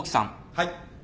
はい。